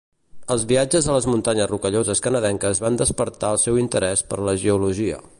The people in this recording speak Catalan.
Els viatges a les muntanyes Rocalloses canadenques van despertar el seu interès per la geologia.